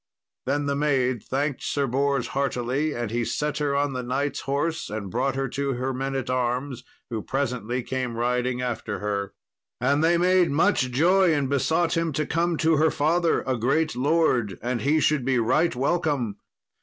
Then the maid thanked Sir Bors heartily, and he set her on the knight's horse, and brought her to her men at arms, who presently came riding after her. And they made much joy, and besought him to come to her father, a great lord, and he should be right welcome.